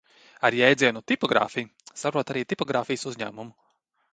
"Ar jēdzienu "tipogrāfija" saprot arī tipogrāfijas uzņēmumu."